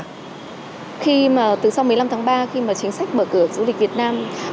từ sau một mươi năm tháng ba khi mà chính sách mở cửa du lịch việt nam